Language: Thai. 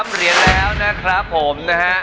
๓เหรียญแล้วนะครับผม